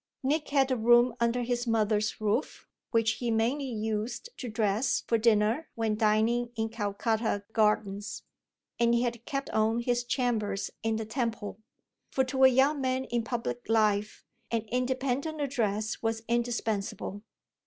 Nick had a room under his mother's roof, which he mainly used to dress for dinner when dining in Calcutta Gardens, and he had "kept on" his chambers in the Temple; for to a young man in public life an independent address was indispensable.